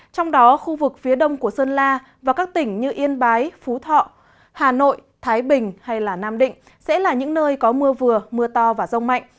trong đó khu vực phía đông của sơn la và các tỉnh như yên bái phú thọ hà nội thái bình hay nam định sẽ là những nơi có mưa vừa mưa to và rông mạnh